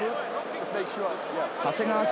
長谷川慎